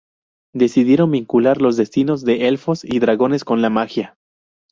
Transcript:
Decidieron vincular los destinos de elfos y dragones con la magia.